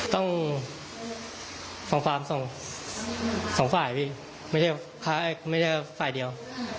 ต้องส่องส่องฝ่ายพี่ไม่ได้ฝ่ายเดียว